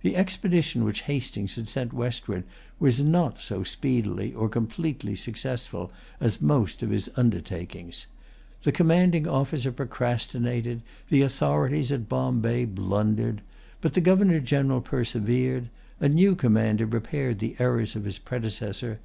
The expedition which Hastings had sent westward was not so speedily or completely successful as most of his undertakings. The commanding officer procrastinated. The authorities at Bombay blundered. But the Governor General persevered. A new commander repaired the errors of his predecessor.